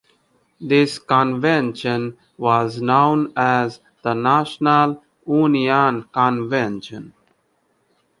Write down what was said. This convention was known as the National Union Convention.